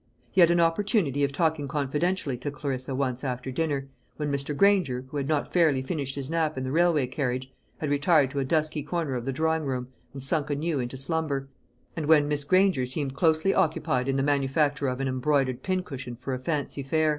He had an opportunity of talking confidentially to Clarissa once after dinner, when Mr. Granger, who had not fairly finished his nap in the railway carriage, had retired to a dusky corner of the drawing room and sunk anew into slumber, and when Miss Granger seemed closely occupied in the manufacture of an embroidered pincushion for a fancy fair.